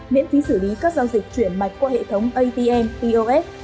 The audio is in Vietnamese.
miễn phí xử lý các giao dịch chuyển mạch qua hệ thống atm pos